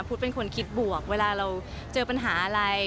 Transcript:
เป็นคนคิดบวกเวลาเราเจอปัญหาอะไร